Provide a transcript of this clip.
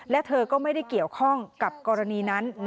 และเธอก็ไม่ได้เกี่ยวข้องกับกรณีนั้น